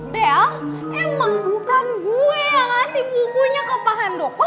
bel emang bukan gue yang ngasih bukunya ke pak handoko